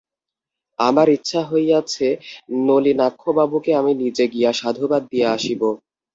আমার ইচ্ছা হইয়াছে নলিনাক্ষবাবুকে আমি নিজে গিয়া সাধুবাদ দিয়া আসিব।